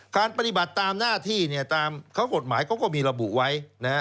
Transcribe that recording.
ปฏิบัติตามหน้าที่ตามกฎหมายเขาก็มีระบุไว้